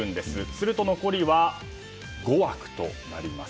すると、残りは５枠となります。